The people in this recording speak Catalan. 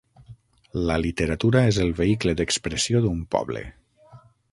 La literatura és el vehicle d'expressió d'un poble.